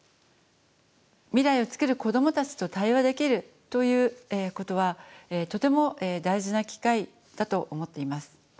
未来を作る子どもたちと対話できるということはとても大事な機会だと思っています。